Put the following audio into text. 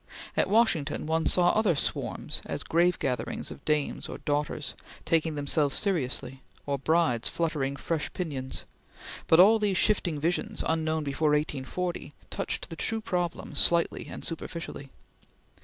At Washington, one saw other swarms as grave gatherings of Dames or Daughters, taking themselves seriously, or brides fluttering fresh pinions; but all these shifting visions, unknown before 1840, touched the true problem slightly and superficially.